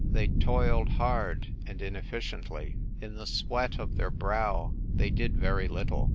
They toiled hard, and inefficiently. In the sweat of their brow they did very little.